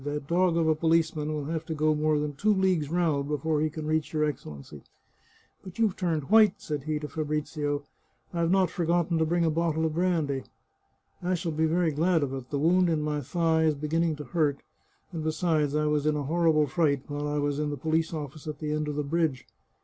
" That dog of a policeman will have to go more than two leagues round before he can reach your Excellency. But you've turned white !" said he to Fa brizio. " I've not forgotten to bring a little bottle of brandy." " I shall be very glad of it ; the wound in my thigh is beginning to hurt, and besides, I was in a horrible fright while I was in the police office at the end of the bridge."